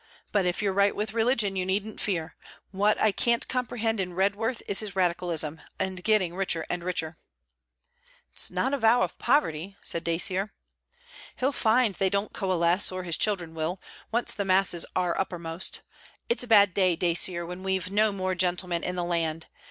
But if you're right with religion you needn't fear. What I can't comprehend in Redworth is his Radicalism, and getting richer and richer.' 'It's not a vow of poverty,' said Dacier. 'He'll find they don't coalesce, or his children will. Once the masses are uppermost! It's a bad day, Dacier, when we 've no more gentlemen in the land.